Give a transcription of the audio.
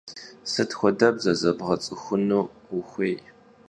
Sıt xuedebze zebğets'ıxunu vuxuêy?